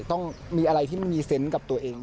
ต้องมีอะไรที่มันมีเซนต์กับตัวเอง